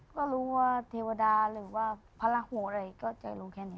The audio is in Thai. ก็รู้ว่าเทวดาหรือว่าพระราหูอะไรก็จะลงแค่นี้